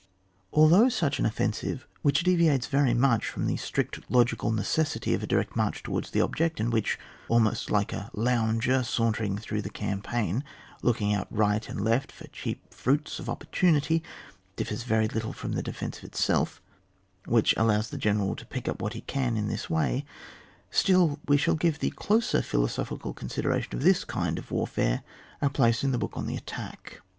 Although such an offensive which deviates very much from the strict logi cal necessity of a direct march towards the object, and which, almost like a loun ger sauntering through the campaign, looking out right and left for the cheap fruits of opportunity, differs very little from the defensive itself, which allows the general to pick up what he can in this way, still we shall give the closer philo sophical consideration of this kind of warfare a place in the book on the attack.